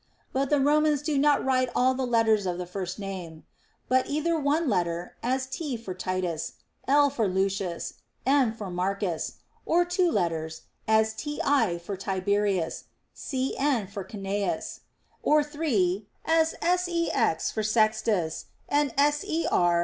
But the "Romans do not write all the letters of the first name ; but either one letter, as T. for Titus, L. for Lucius, M. for Marcus ; or two letters, as Ti. for Tiberius, Cn. for Cnaeus ; or three, as Sex. for Sextus, and Ser.